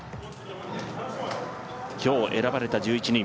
今日、選ばれた１１人。